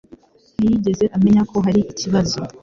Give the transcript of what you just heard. ntiyigeze amenya ko hari ikibazo.